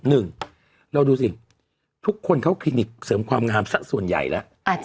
หนึ่งเราดูสิทุกคนเข้าคลินิกเสริมความงามสักส่วนใหญ่แล้ว